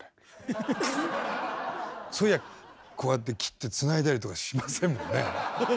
そういやこうやって切ってつないだりとかしませんもんね。